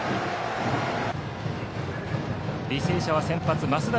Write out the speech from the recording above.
履正社の先発は増田。